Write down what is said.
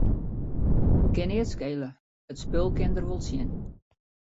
Kin neat skele, it spul kin der wol tsjin.